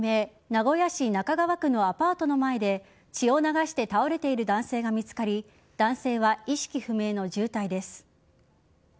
名古屋市中川区のアパートの前で血を流して倒れている男性が見つかり男性は意識不明の重体です。